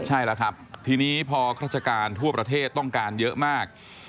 ใช่แล้วครับทีนี้พอราชการทั่วประเทศต้องการเยอะมาก